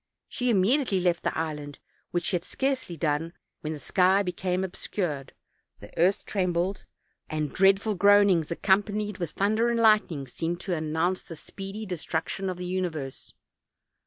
She immediately left the island, which she had scarcely done when the sky became obscured, the earth trembled, and dreadful groanings, accompanied with thunder and lightning., seemed to announce the speedy destruction of the uni verse.